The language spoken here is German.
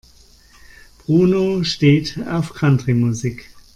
Bruno steht auf Country-Musik.